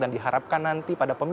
dan diharapkan nanti pada pemilu